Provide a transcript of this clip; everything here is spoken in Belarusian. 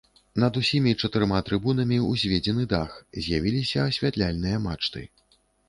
Над усімі чатырма трыбунамі ўзведзены дах, з'явіліся асвятляльныя мачты.